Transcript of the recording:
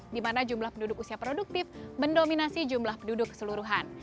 dimana jumlah penduduk usia produktif mendominasi jumlah penduduk keseluruhan